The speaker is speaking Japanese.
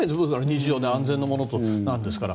日常で安全なものなんですから。